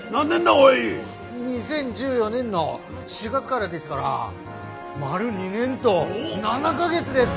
２０１４年の４月がらですから丸２年ど７か月です！